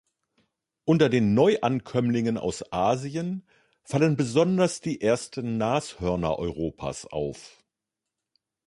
Unter den Neuankömmlingen aus Asien fallen besonders die ersten Nashörner Europas auf.